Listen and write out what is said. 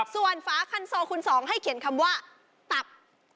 ส่วนฝาคันโซคุณ๒ให้เขียนคำว่าตับ